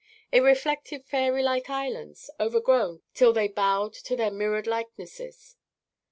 It reflected fairy like islands, overgrown till they bowed to their mirrored likenesses.